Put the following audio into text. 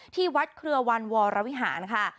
ที่วัดเครื่องมะวันวรวิหารนะคะ